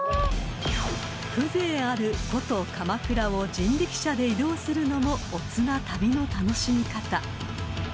［風情ある古都鎌倉を人力車で移動するのも乙な旅の楽しみ方］